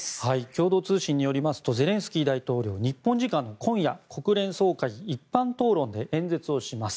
共同通信によりますとゼレンスキー大統領日本時間の今夜、国連総会一般討論演説で演説します。